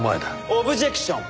オブジェクション！